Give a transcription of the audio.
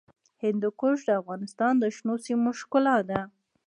هندوکش د افغانستان د شنو سیمو ښکلا ده.